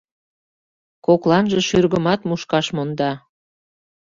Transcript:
Кокланже шӱргымат мушкаш монда.